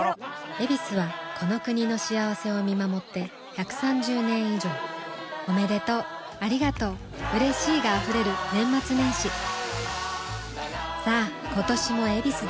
「ヱビス」はこの国の幸せを見守って１３０年以上おめでとうありがとううれしいが溢れる年末年始さあ今年も「ヱビス」で